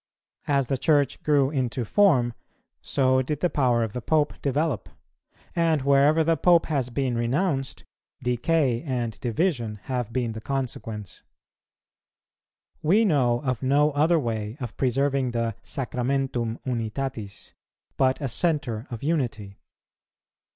As the Church grew into form, so did the power of the Pope develope; and wherever the Pope has been renounced, decay and division have been the consequence. We know of no other way of preserving the Sacramentum Unitatis, but a centre of unity.